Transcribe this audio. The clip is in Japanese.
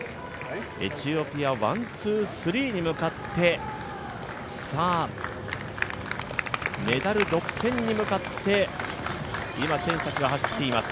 エチオピア、ワン、ツー、スリーに向かって、メダル独占に向かって今、選手たちが走っています。